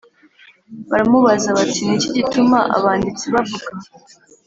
Baramubaza bati Ni iki gituma abanditsi bavuga